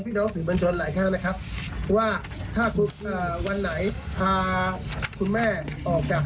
พี่น้องสื่อมานชนหลายข้างนะครับว่าถ้าคุณวันไหนพาคุณแม่ออกจาก